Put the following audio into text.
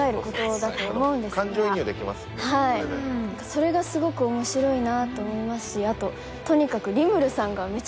それがすごく面白いなと思いますしあととにかく。